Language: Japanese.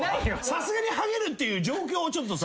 「さすがにハゲる」っていう状況をちょっとさ。